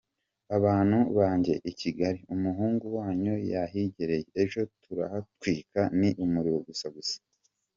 Abantu banjye i Kigali, umuhungu wanyu yahigereye, ejo turahatwika, ni umuriro gusa gusa.